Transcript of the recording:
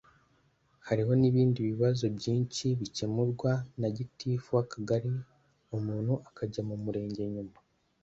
Hari n’ibindi bibazo byinshi bicyemurwa na gitifu w’Akagari umuntu akajya ku Murenge nyuma